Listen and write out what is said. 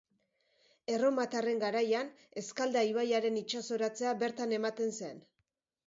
Erromatarren garaian Eskalda ibaiaren itsasoratzea bertan ematen zen.